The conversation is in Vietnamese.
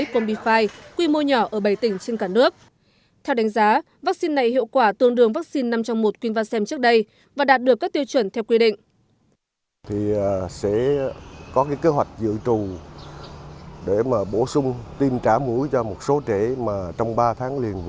các gia đình đã thực hiện thí điểm tiêm vaccine năm trong một và đạt được các tiêu chuẩn theo quy định